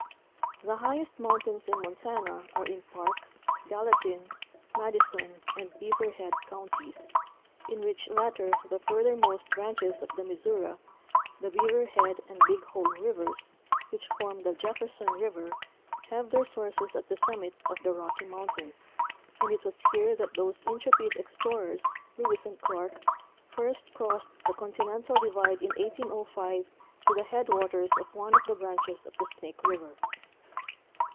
The highest mountains in Montana are in Park, Gallatin, Madison and Beaver Head Counties, in which latter the further most branches of the Missouri, the Beaver Head and Big Hole Rivers, which form the Jefferson river, have their sources at the summit of the Rocky mountains, and it was here that those intrepid explorers, Lewis and Clarke, first crossed the Continental Divide in 1805 to the headwaters of one of the branches of the Snake river.